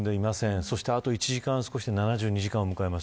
そして、あと１時間少しで７２時間を迎えます。